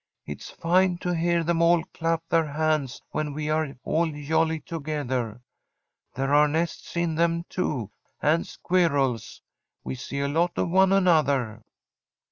It's fine to hear them all clap their hands when we are all jolly together. There are nests in them, too, and squirrels. We see a lot of one another.'